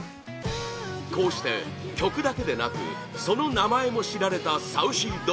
こうして、曲だけでなくその名前も知られたＳａｕｃｙＤｏｇ